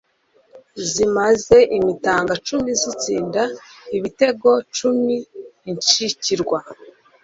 Zimaze imitaga cumi Zitsinda ibitero cumi Incikirwa